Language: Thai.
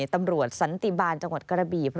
ตำรวจสันติบาลจังหวัดกรบี